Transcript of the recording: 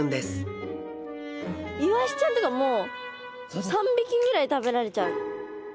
イワシちゃんとかもう３匹ぐらい食べられちゃう。